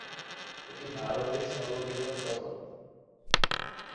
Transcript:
এটি ভারতের সর্ববৃহৎ পতন।